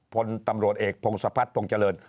คนตำรวจเอกพงศพัฒน์พงศ์เจริญ